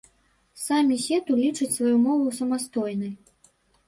Самі сету лічаць сваю мову самастойнай.